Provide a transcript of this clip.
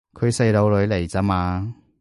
佢細路女嚟咋嘛